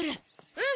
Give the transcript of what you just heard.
うん！